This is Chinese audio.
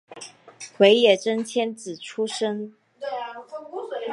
尾野真千子出身。